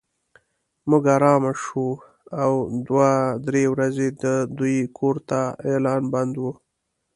موږ ارامه شوو او دوه درې ورځې د دوی کور ته اعلان بند و.